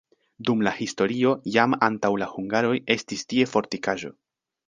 Dum la historio jam antaŭ la hungaroj estis tie fortikaĵo.